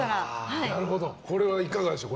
これはいかがでしょう。